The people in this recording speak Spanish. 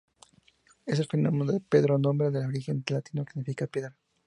Es el femenino de Pedro, nombre de origen latino que significa 'piedra'.